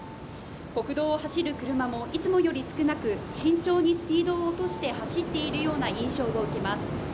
国道を走る車もいつもより少なく慎重にスピードを落として走っているような印象を受けます